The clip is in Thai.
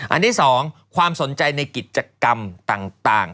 อันที่๒ความสนใจในกิจกรรมต่าง